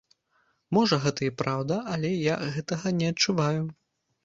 Можа, гэта і праўда, але я гэтага не адчуваю.